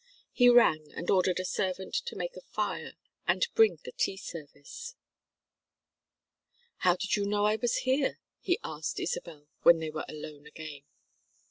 He rang and ordered a servant to make a fire and bring the tea service. "How did you know I was here?" he asked Isabel, when they were alone again.